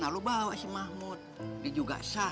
nah lo bawa si mahmud dia juga sah